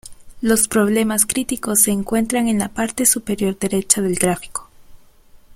Los problemas críticos se encuentran en la parte superior derecha del gráfico.